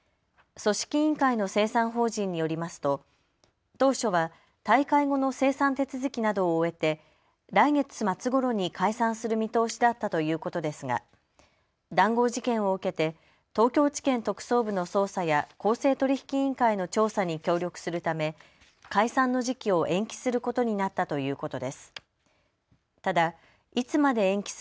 組織委員会の清算法人によりますと、当初は大会後の清算手続きなどを終えて来月末ごろに解散する見通しだったということですが談合事件を受けて東京地検特捜部の捜査や公正取引委員会の調査に協力するため解散の時期を延期することになったということです。